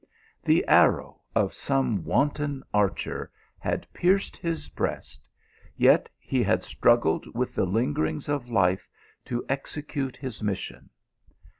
The arrow of some wanton archer had pierced his breast, yet he had struggled with the lingerings of life to execute his mission.